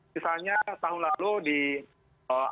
misalnya tahun lalu di